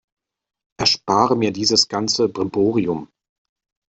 Erspare mir dieses ganze Brimborium!